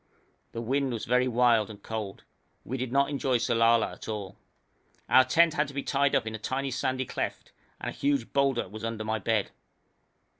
The wind was very wild and cold. We did not enjoy Sellala at all. Our tent had to be tied up in a tiny sandy cleft, and a huge boulder was under my bed.